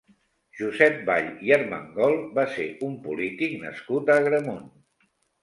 Josep Ball i Armengol va ser un polític nascut a Agramunt.